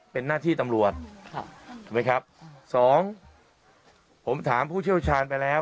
ผมถามผู้เชี่ยวชาญไปแล้ว